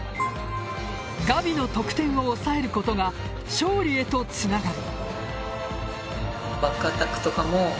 ガビの得点を抑えることが勝利へとつながる。